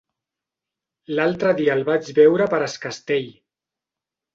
L'altre dia el vaig veure per Es Castell.